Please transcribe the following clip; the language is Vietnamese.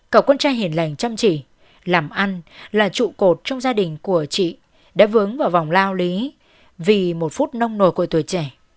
cậu con trai hiền lành chăm chỉ làm ăn là trụ cột trong gia đình của chị đã vướng vào vòng lao lý vì một phút nông nồi của tuổi trẻ